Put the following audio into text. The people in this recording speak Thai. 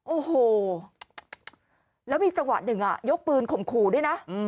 โอ้โหแล้วมีจังหวะหนึ่งยกปืนข่มขู่ด้วยนะ